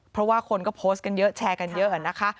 เพราะว่าคนก็โพสต์กันเยอะแชร์กันเยอะนะคะ